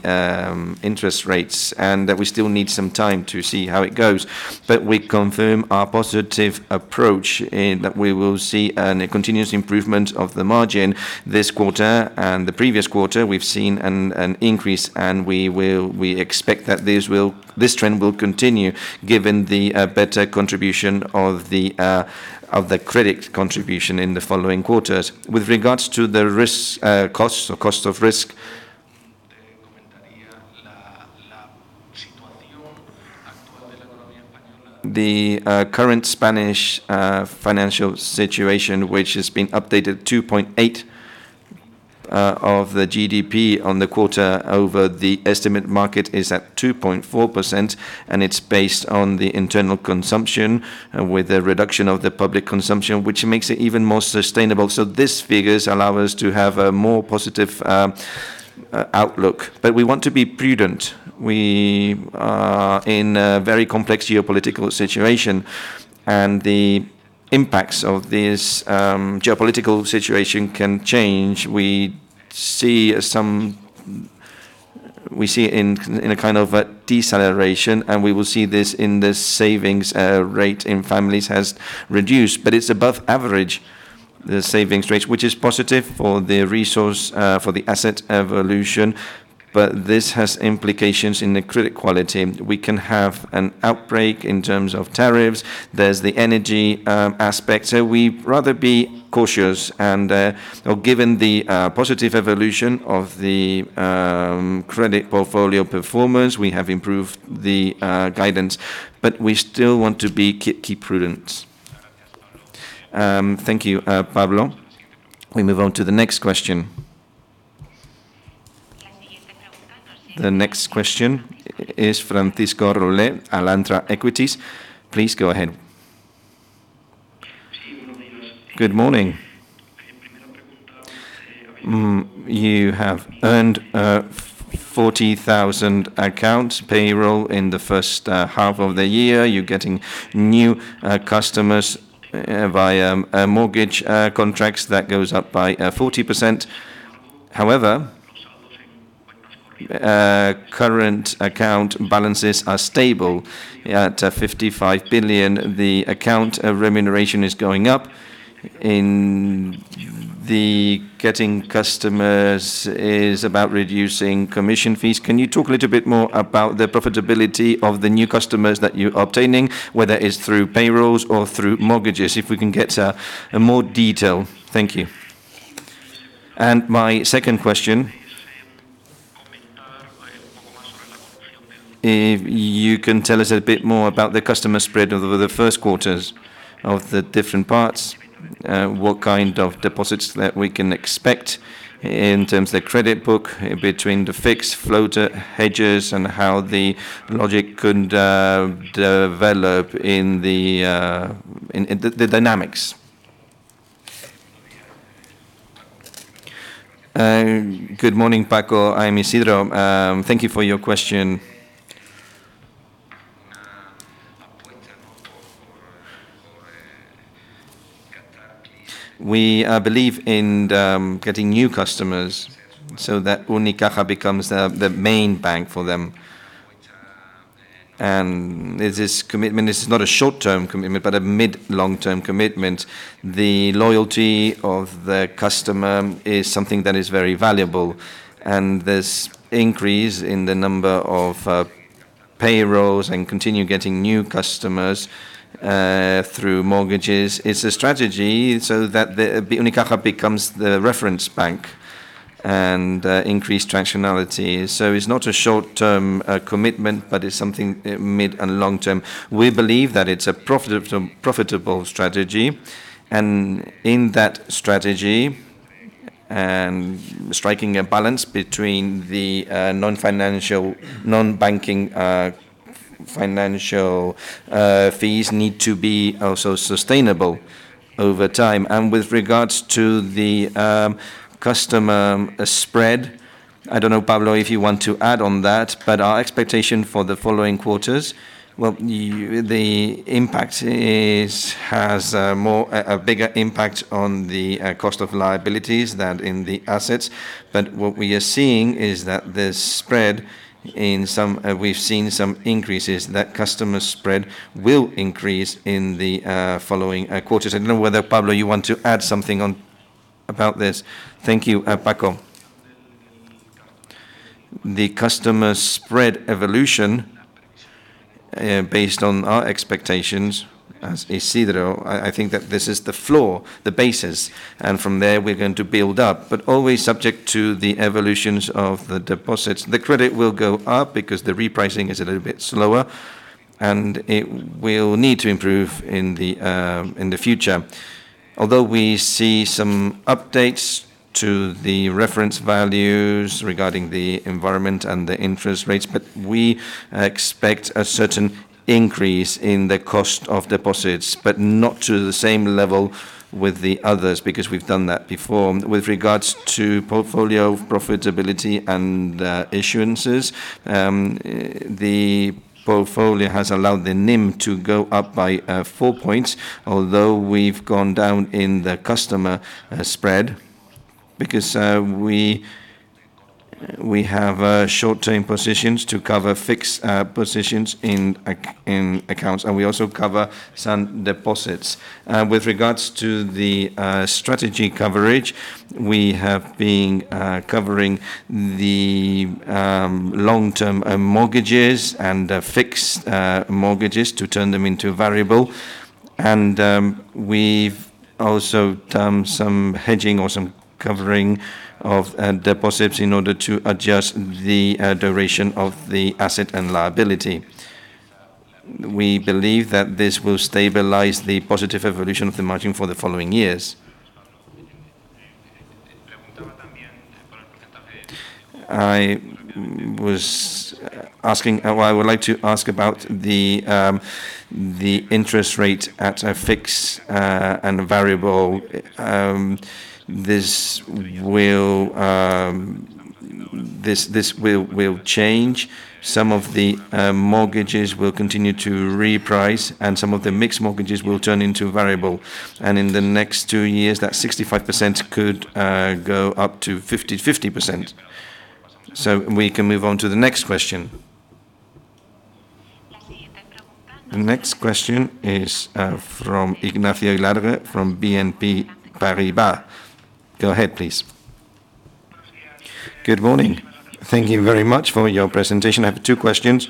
interest rates, and that we still need some time to see how it goes. We confirm our positive approach in that we will see a continuous improvement of the margin this quarter and the previous quarter. We've seen an increase, and we expect that this trend will continue given the better contribution of the credit contribution in the following quarters. With regards to the costs or cost of risk, the current Spanish financial situation, which has been updated 2.8 of the GDP on the quarter over the estimate market, is at 2.4%, and it's based on the internal consumption with the reduction of the public consumption, which makes it even more sustainable. These figures allow us to have a more positive outlook. We want to be prudent. We are in a very complex geopolitical situation, and the impacts of this geopolitical situation can change. We see it in a kind of deceleration, and we will see this in the savings rate in families has reduced, but it's above average The savings rates, which is positive for the resource for the asset evolution. This has implications in the credit quality. We can have an outbreak in terms of tariffs. There's the energy aspect. We'd rather be cautious. Given the positive evolution of the credit portfolio performance, we have improved the guidance, but we still want to be prudent. Thank you, Pablo. We move on to the next question. The next question is Francisco Riquel, Alantra Equities. Please go ahead. Good morning. You have earned 40,000 accounts payroll in the H1 of the year. You're getting new customers via mortgage contracts, that goes up by 40%. However, current account balances are stable at 55 billion. The account remuneration is going up in the getting customers is about reducing commission fees. Can you talk a little bit more about the profitability of the new customers that you're obtaining, whether it is through payrolls or through mortgages? If we can get more detail. Thank you. My second question, if you can tell us a bit more about the customer spread over the Q1s of the different parts. What kind of deposits that we can expect in terms of the credit book between the fixed floater hedges and how the logic could develop in the dynamics. Good morning, Paco. I'm Isidro. Thank you for your question. We believe in getting new customers so that Unicaja becomes the main bank for them. This commitment is not a short-term commitment, but a mid-, long-term commitment. The loyalty of the customer is something that is very valuable, and this increase in the number of payrolls and continue getting new customers through mortgages is a strategy so that Unicaja becomes the reference bank and increase transactionality. It's not a short-term commitment, but it's something mid- and long-term. We believe that it's a profitable strategy. In that strategy, striking a balance between the non-banking financial fees need to be also sustainable over time. With regards to the customer spread, I don't know, Pablo, if you want to add on that, but our expectation for the following quarters, well, the impact has a bigger impact on the cost of liabilities than in the assets. What we are seeing is that the spread, we've seen some increases. That customer spread will increase in the following quarters. I don't know whether, Pablo, you want to add something about this. Thank you, Paco. The customer spread evolution, based on our expectations as Isidro, I think that this is the floor, the basis, and from there, we're going to build up, always subject to the evolutions of the deposits. The credit will go up because the repricing is a little bit slower, and it will need to improve in the future. Although we see some updates to the reference values regarding the environment and the interest rates, we expect a certain increase in the cost of deposits, but not to the same level with the others, because we've done that before. With regards to portfolio profitability and issuances, the portfolio has allowed the NIM to go up by four points, although we've gone down in the customer spread because we have short-term positions to cover fixed positions in accounts, and we also cover some deposits. With regards to the strategy coverage, we have been covering the long-term mortgages and fixed mortgages to turn them into variable. We've also done some hedging or some covering of deposits in order to adjust the duration of the asset and liability. We believe that this will stabilize the positive evolution of the margin for the following years. I would like to ask about the interest rate at fixed and variable. This will change. Some of the mortgages will continue to reprice, and some of the mixed mortgages will turn into variable. In the next two years, that 65% could go up to 50%. We can move on to the next question. The next question is from Ignacio Ulargui from BNP Paribas. Go ahead, please. Good morning. Thank you very much for your presentation. I have two questions.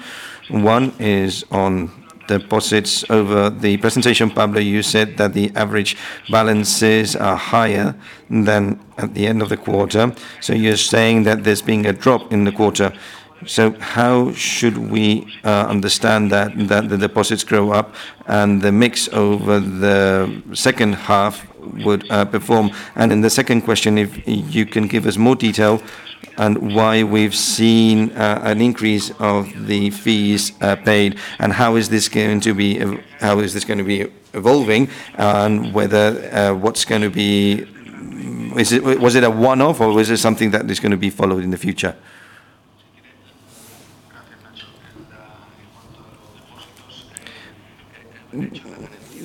One is on deposits. Over the presentation, Pablo, you said that the average balances are higher than at the end of the quarter. You're saying that there's been a drop in the quarter. How should we understand that the deposits grow up and the mix over the H2 would perform? In the second question, if you can give us more detail on why we've seen an increase of the fees paid, and how is this going to be evolving, and was it a one-off, or is it something that is going to be followed in the future?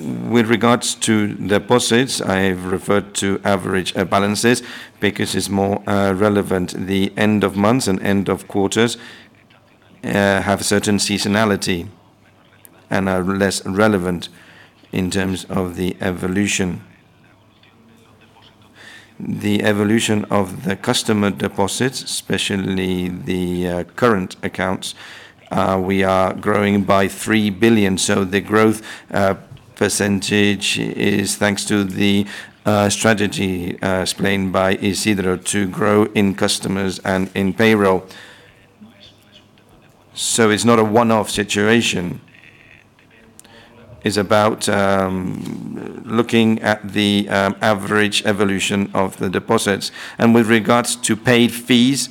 With regards to deposits, I've referred to average balances because it's more relevant. The end of months and end of quarters have a certain seasonality and are less relevant in terms of the evolution. The evolution of the customer deposits, especially the current accounts, we are growing by 3 billion. The growth % is thanks to the strategy explained by Isidro to grow in customers and in payroll. It's not a one-off situation. It's about looking at the average evolution of the deposits. With regards to paid fees,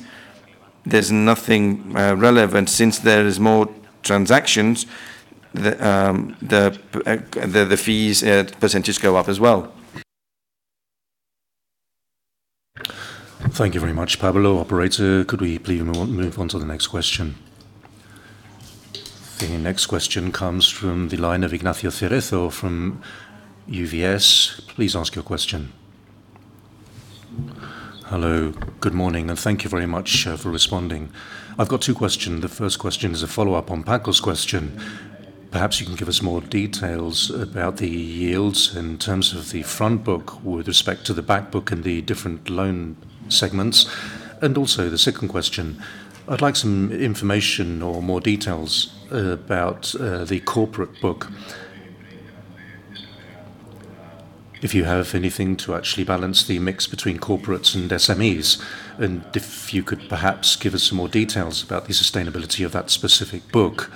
there's nothing relevant. Since there is more transactions, the fees % go up as well. Thank you very much, Pablo. Operator, could we please move on to the next question? The next question comes from the line of Ignacio Cerezo from UBS. Please ask your question. Hello. Good morning, and thank you very much for responding. I've got two questions. The first question is a follow-up on Paco's question. Perhaps you can give us more details about the yields in terms of the front book with respect to the back book and the different loan segments. The second question, I'd like some information or more details about the corporate book. If you have anything to actually balance the mix between corporates and SMEs, and if you could perhaps give us some more details about the sustainability of that specific book,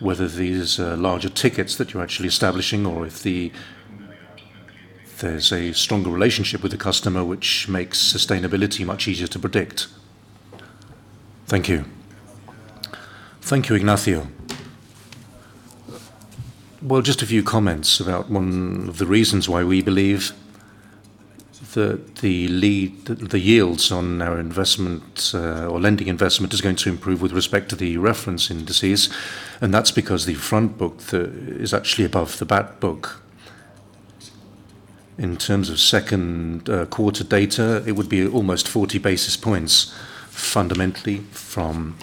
whether these are larger tickets that you're actually establishing or if there's a stronger relationship with the customer, which makes sustainability much easier to predict. Thank you. Thank you, Ignacio. Well, just a few comments about one of the reasons why we believe that the yields on our investment or lending investment is going to improve with respect to the reference indices, and that's because the front book is actually above the back book. In terms of Q2 data, it would be almost 40 basis points fundamentally from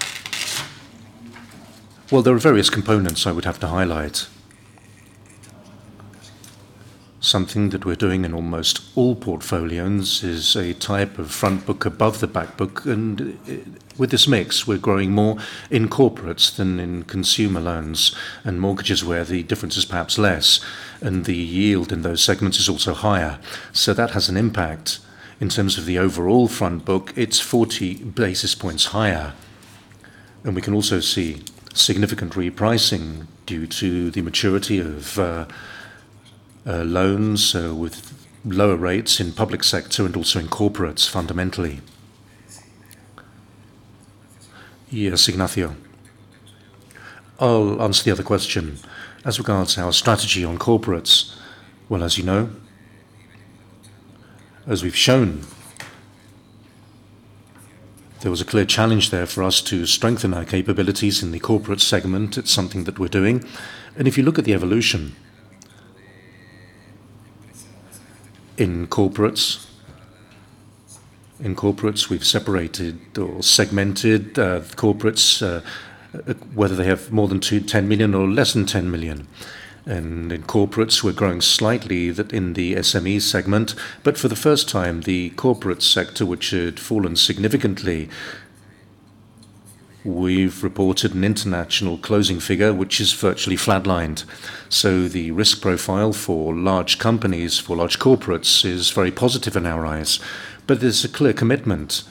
there are various components I would have to highlight. Something that we're doing in almost all portfolios is a type of front book above the back book. With this mix, we're growing more in corporates than in consumer loans and mortgages, where the difference is perhaps less, and the yield in those segments is also higher. That has an impact. In terms of the overall front book, it's 40 basis points higher. We can also see significant repricing due to the maturity of loans with lower rates in public sector and also in corporates, fundamentally. Yes, Ignacio. I'll answer the other question. As regards our strategy on corporates, well, as you know, as we've shown, there was a clear challenge there for us to strengthen our capabilities in the corporate segment. It's something that we're doing. If you look at the evolution in corporates, we've separated or segmented corporates, whether they have more than 10 million or less than 10 million. In corporates, we're growing slightly in the SME segment. For the first time, the corporate sector, which had fallen significantly, we've reported an international closing figure, which is virtually flatlined. The risk profile for large companies, for large corporates, is very positive in our eyes. There's a clear commitment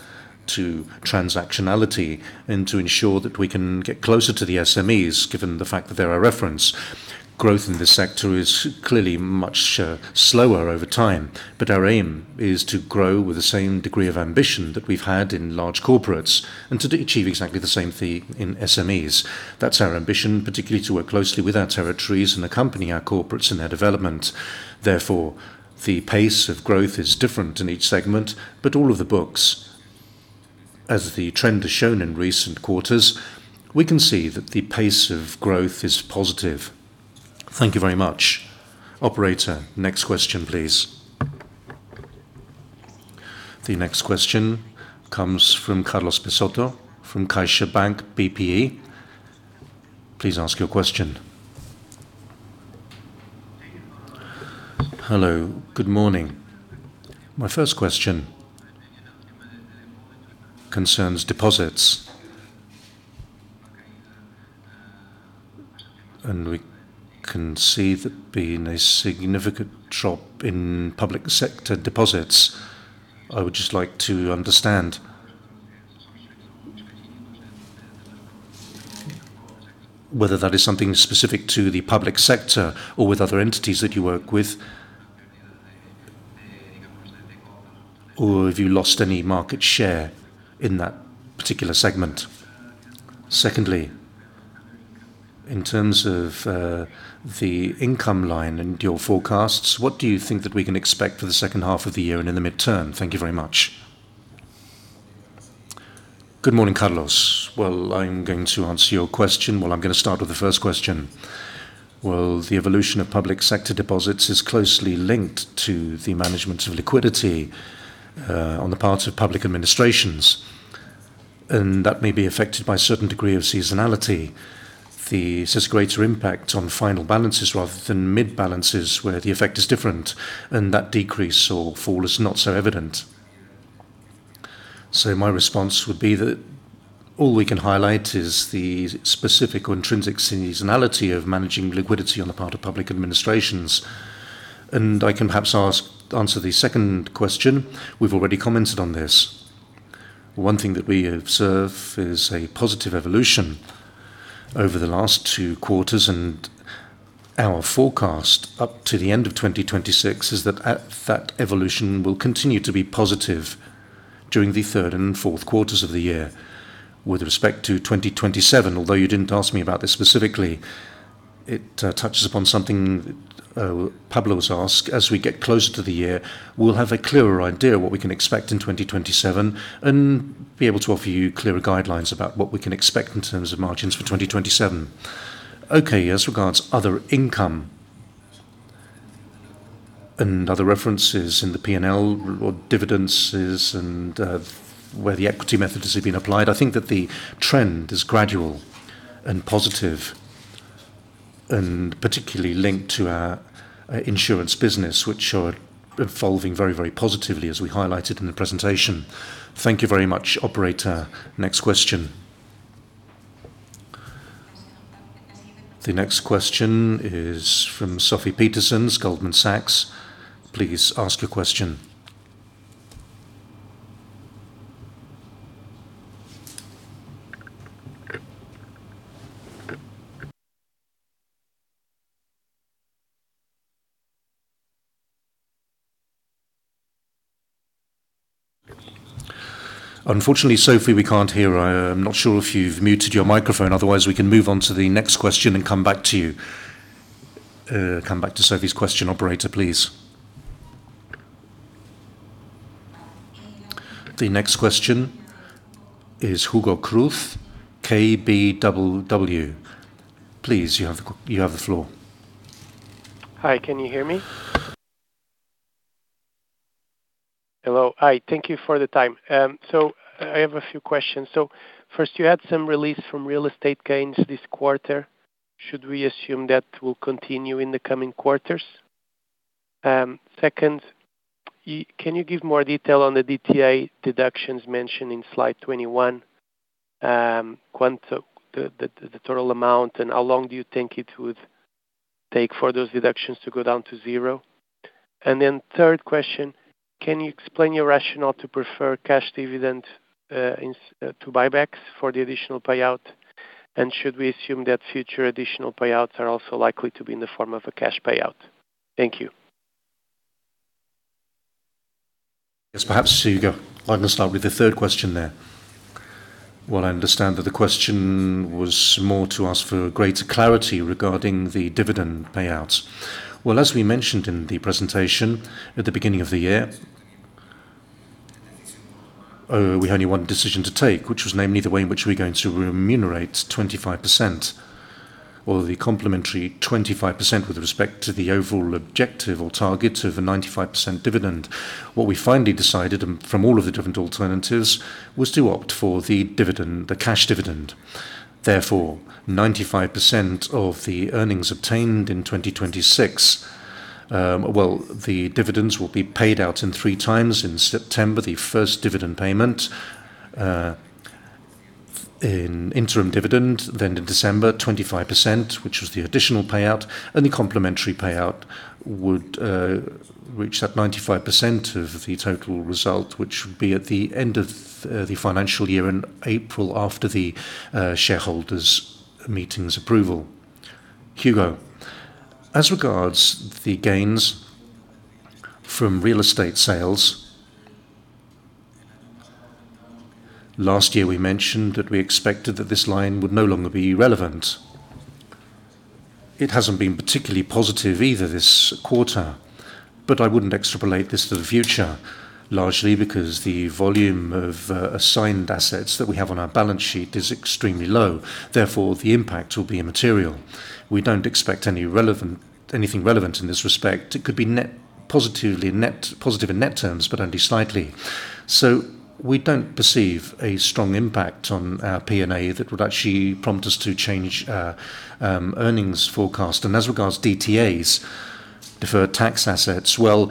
to transactionality and to ensure that we can get closer to the SMEs, given the fact that they're our reference. Growth in this sector is clearly much slower over time. Our aim is to grow with the same degree of ambition that we've had in large corporates and to achieve exactly the same thing in SMEs. That's our ambition, particularly to work closely with our territories and accompany our corporates in their development. Therefore, the pace of growth is different in each segment, all of the books, as the trend has shown in recent quarters, we can see that the pace of growth is positive. Thank you very much. Operator, next question, please. The next question comes from Carlos Peixoto from CaixaBank BPI. Please ask your question. Hello, good morning. My first question concerns deposits. We can see that being a significant drop in public sector deposits, I would just like to understand whether that is something specific to the public sector or with other entities that you work with. Have you lost any market share in that particular segment? Secondly, in terms of the income line and your forecasts, what do you think that we can expect for the H2 of the year and in the midterm? Thank you very much. Good morning, Carlos. Well, I'm going to answer your question. Well, I'm going to start with the first question. Well, the evolution of public sector deposits is closely linked to the management of liquidity on the part of public administrations, and that may be affected by a certain degree of seasonality. This has greater impact on final balances rather than mid-balances, where the effect is different, and that decrease or fall is not so evident. My response would be that all we can highlight is the specific or intrinsic seasonality of managing liquidity on the part of public administrations. I can perhaps answer the second question. We've already commented on this. One thing that we observe is a positive evolution over the last two quarters, and our forecast up to the end of 2026 is that that evolution will continue to be positive during the Q3 and Q4 of the year. With respect to 2027, although you didn't ask me about this specifically, it touches upon something Pablo was asked. As we get closer to the year, we'll have a clearer idea what we can expect in 2027 and be able to offer you clearer guidelines about what we can expect in terms of margins for 2027. Okay, as regards other income and other references in the P&L or dividends and where the equity method has been applied, I think that the trend is gradual and positive, and particularly linked to our insurance business, which are evolving very positively, as we highlighted in the presentation. Thank you very much, operator. Next question. The next question is from Sofie Peterzens, Goldman Sachs. Please ask your question. Unfortunately, Sofie, we can't hear her. I'm not sure if you've muted your microphone. Otherwise, we can move on to the next question and come back to you. Come back to Sofie's question, operator, please. The next question is Hugo Cruz, KBW. Please, you have the floor. Hi, can you hear me? Hello. Hi. Thank you for the time. I have a few questions. First, you had some release from real estate gains this quarter. Should we assume that will continue in the coming quarters? Second, can you give more detail on the DTA deductions mentioned in slide 21, the total amount, and how long do you think it would take for those deductions to go down to zero? Third question, can you explain your rationale to prefer cash dividend to buybacks for the additional payout? Should we assume that future additional payouts are also likely to be in the form of a cash payout? Thank you. Yes. Perhaps, Hugo, I'm going to start with the third question there. Well, I understand that the question was more to ask for greater clarity regarding the dividend payouts. Well, as we mentioned in the presentation, at the beginning of the year, we had only one decision to take, which was namely the way in which we're going to remunerate 25%, or the complementary 25% with respect to the overall objective or target of a 95% dividend. What we finally decided from all of the different alternatives was to opt for the cash dividend. Therefore, 95% of the earnings obtained in 2026, well, the dividends will be paid out in 3x. In September, the first dividend payment, interim dividend. In December, 25%, which was the additional payout, and the complementary payout would reach that 95% of the total result, which would be at the end of the financial year in April, after the shareholders' meeting's approval. Hugo, as regards the gains from real estate sales, last year, we mentioned that we expected that this line would no longer be relevant. It hasn't been particularly positive either this quarter, but I wouldn't extrapolate this to the future, largely because the volume of assigned assets that we have on our balance sheet is extremely low. Therefore, the impact will be immaterial. We don't expect anything relevant in this respect. It could be net positively in net terms, but only slightly. We don't perceive a strong impact on our PNA that would actually prompt us to change earnings forecast. As regards DTAs, deferred tax assets, well,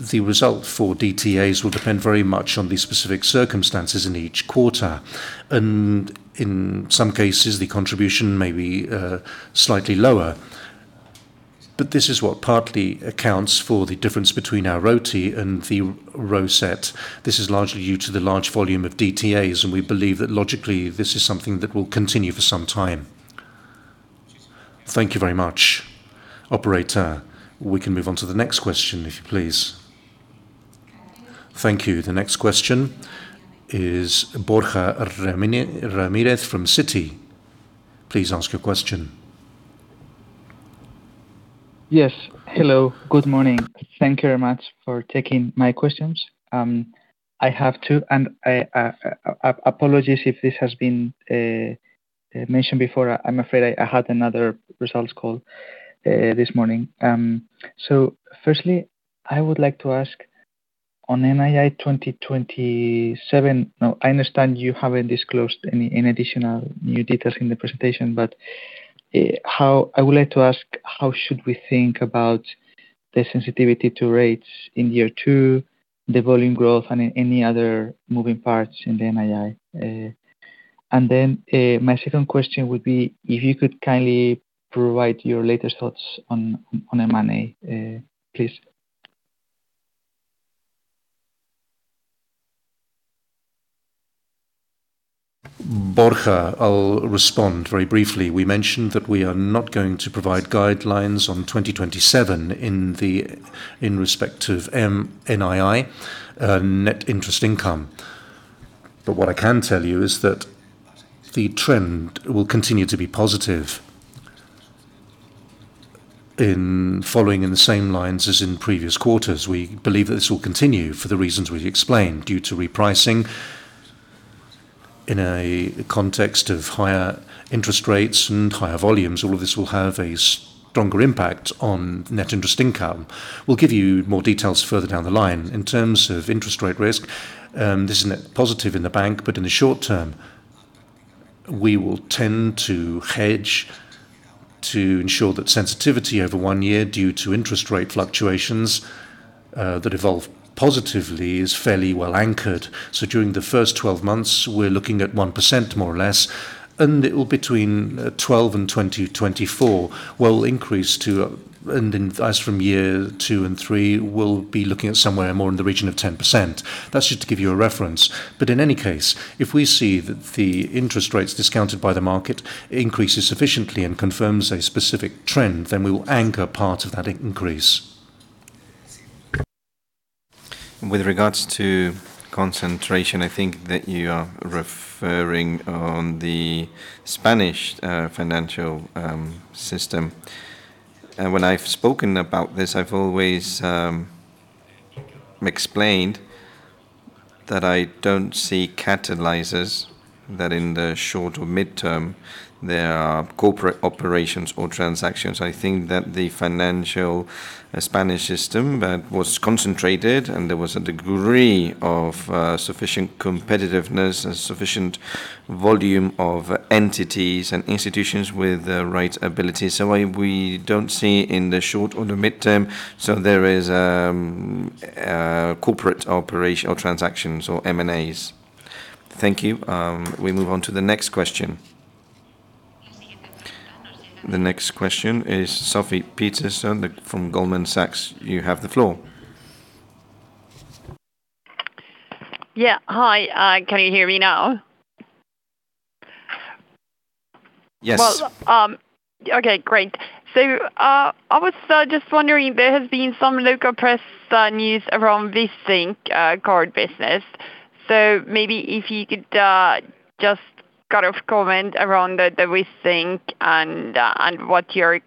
the result for DTAs will depend very much on the specific circumstances in each quarter. In some cases, the contribution may be slightly lower. This is what partly accounts for the difference between our ROTE and the [ROSET]. This is largely due to the large volume of DTAs, and we believe that logically, this is something that will continue for some time. Thank you very much. Operator, we can move on to the next question, if you please. Thank you. The next question is Borja Ramirez from Citi. Please ask your question. Yes. Hello, good morning. Thank you very much for taking my questions. I have two. Apologies if this has been mentioned before. I'm afraid I had another results call this morning. Firstly, I would like to ask on NII 2027. Now, I understand you haven't disclosed any additional new details in the presentation, but I would like to ask how should we think about the sensitivity to rates in year two, the volume growth, and any other moving parts in the NII? Then, my second question would be if you could kindly provide your latest thoughts on M&A, please. Borja, I'll respond very briefly. We mentioned that we are not going to provide guidelines on 2027 in respect of NII, net interest income. What I can tell you is that the trend will continue to be positive, following in the same lines as in previous quarters. We believe that this will continue for the reasons we've explained, due to repricing in a context of higher interest rates and higher volumes. All of this will have a stronger impact on net interest income. We'll give you more details further down the line. In terms of interest rate risk, this is a net positive in the bank, but in the short term, we will tend to hedge to ensure that sensitivity over one year due to interest rate fluctuations that evolve positively is fairly well-anchored. During the first 12 months, we're looking at 1%, more or less, and between 12 and 2024 will increase to, as from year two and three, we'll be looking at somewhere more in the region of 10%. That's just to give you a reference. In any case, if we see that the interest rates discounted by the market increases sufficiently and confirms a specific trend, we will anchor part of that increase. With regards to concentration, I think that you are referring on the Spanish financial system. When I've spoken about this, I've always explained that I don't see catalyzers, that in the short or mid-term, there are corporate operations or transactions. I think that the financial Spanish system that was concentrated, and there was a degree of sufficient competitiveness and sufficient volume of entities and institutions with the right ability. We don't see in the short or the mid-term, there is corporate operation or transactions or M&As. Thank you. We move on to the next question. The next question is Sofie Peterzens from Goldman Sachs. You have the floor. Yeah. Hi, can you hear me now? Yes. Okay, great. I was just wondering, there has been some local press news around *inaudible* card business. Maybe if you could just comment around the, *inaudible* and what you're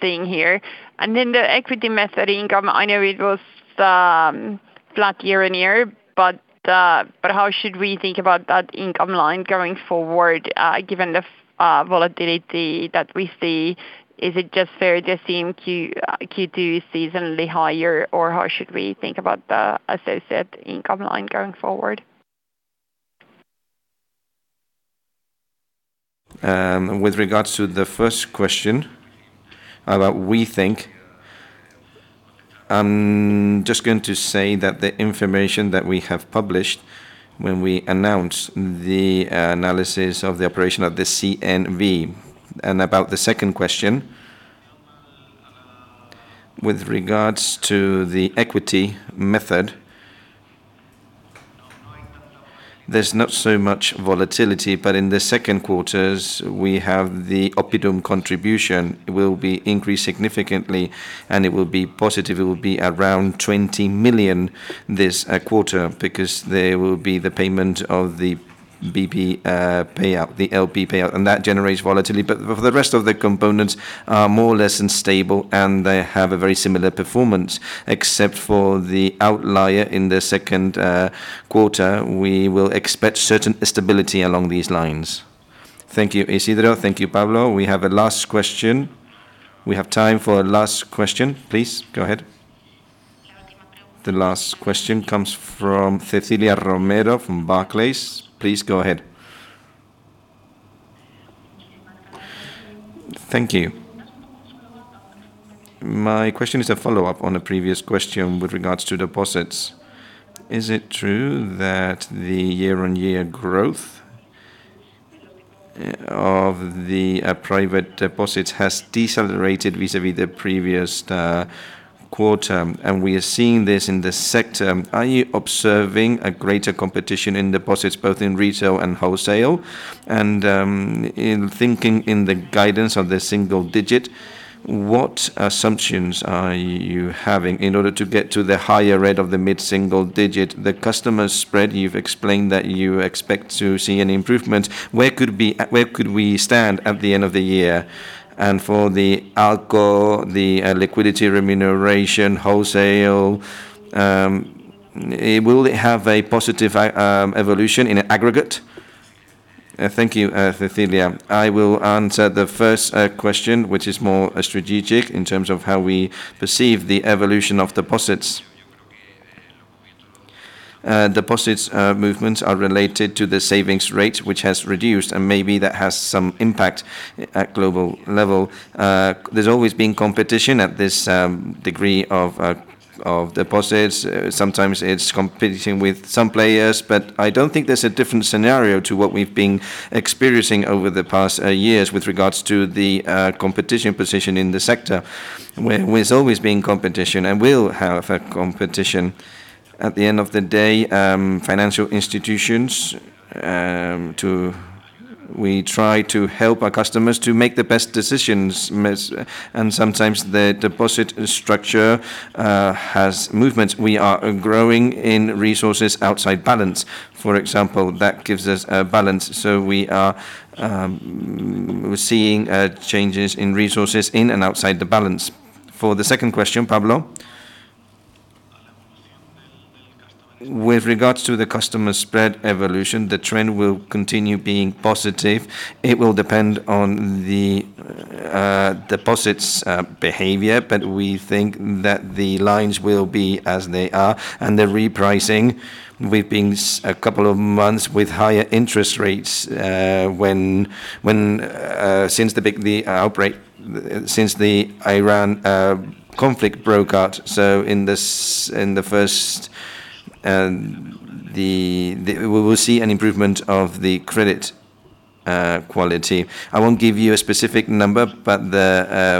seeing here. Then the equity method income, I know it was flat year-on-year, but how should we think about that income line going forward, given the volatility that we see? Is it just fair to assume Q2 is seasonally higher, or how should we think about the associate income line going forward? With regards to the first question, about, *inaudible* I'm just going to say that the information that we have published when we announced the analysis of the operation of the CNMV. About the second question, with regards to the equity method, there's not so much volatility. In the Q2s, we have the Oppidum contribution will be increased significantly, and it will be positive. It will be around 20 million this quarter because there will be the payment of the BP payout, the LP payout, and that generates volatility. The rest of the components are more or less unstable, and they have a very similar performance. Except for the outlier in the Q2, we will expect certain stability along these lines. Thank you, Isidro. Thank you, Pablo. We have a last question. We have time for a last question. Please go ahead. The last question comes from Cecilia Romero from Barclays. Please go ahead. Thank you. My question is a follow-up on a previous question with regards to deposits. Is it true that the year-on-year growth of the private deposits has decelerated vis-a-vis the previous quarter, and we are seeing this in the sector? Are you observing a greater competition in deposits, both in retail and wholesale? In thinking in the guidance of the single-digit, what assumptions are you having in order to get to the higher rate of the mid-single-digit? The customer spread, you've explained that you expect to see an improvement. Where could we stand at the end of the year? For the ALCO, the liquidity remuneration, wholesale, will it have a positive evolution in aggregate? Thank you, Cecilia. I will answer the first question, which is more strategic in terms of how we perceive the evolution of deposits. Deposits movements are related to the savings rate, which has reduced, maybe that has some impact at global level. There's always been competition at this degree of deposits. Sometimes it's competing with some players, but I don't think there's a different scenario to what we've been experiencing over the past years with regards to the competition position in the sector. There's always been competition, will have competition. At the end of the day, financial institutions, we try to help our customers to make the best decisions, sometimes the deposit structure has movements. We are growing in resources outside balance, for example. That gives us a balance. We're seeing changes in resources in and outside the balance. For the second question, Pablo? With regards to the customer spread evolution, the trend will continue being positive. It will depend on the deposits behavior, we think that the lines will be as they are. The repricing, we've been a couple of months with higher interest rates since the Iran conflict broke out. We will see an improvement of the credit quality. I won't give you a specific number, the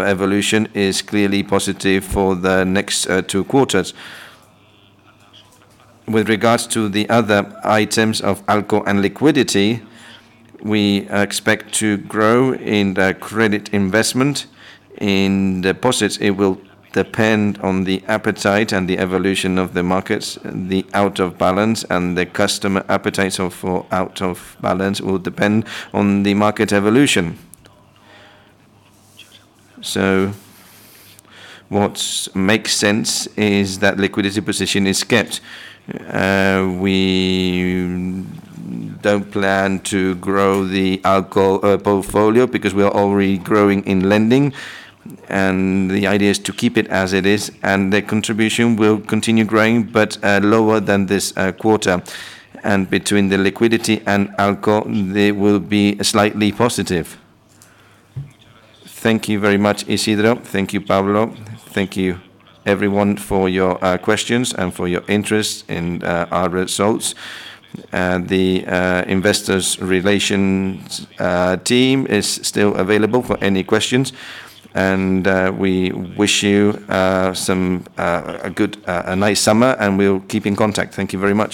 evolution is clearly positive for the next two quarters. With regards to the other items of ALCO and liquidity, we expect to grow in the credit investment. In deposits, it will depend on the appetite, the evolution of the markets, the out of balance, the customer appetite for out of balance will depend on the market evolution. What makes sense is that liquidity position is kept. We don't plan to grow the ALCO portfolio because we are already growing in lending, and the idea is to keep it as it is, and the contribution will continue growing, but lower than this quarter. Between the liquidity and ALCO, they will be slightly positive. Thank you very much, Isidro. Thank you, Pablo. Thank you everyone for your questions and for your interest in our results. The investors relations team is still available for any questions, and we wish you a nice summer, and we'll keep in contact. Thank you very much.